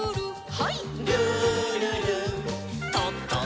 はい。